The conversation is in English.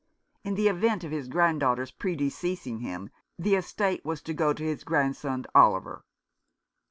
In the event of his grand daughter's predeceasing him, the estate was to go to his grandson Oliver.